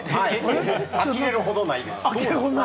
あきれるほどないです。